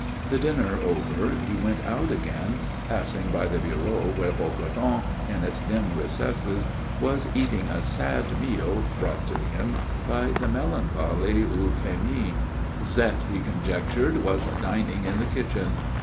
The dinner over he went out again, passing by the bureau where Bocardon, in its dim recesses, was eating a sad meal brought to him by the melancholy Euphémie. Zette, he conjectured, was dining in the kitchen.